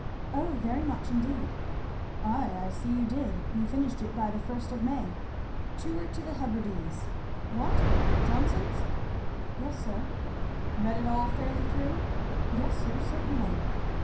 "O very much indeed." "Ay, I see you did; you finished it by the first of May. 'Tour to the Hebrides' what? Johnson's?" "Yes sir." "Read it all fairly through?" "Yes sir, certainly."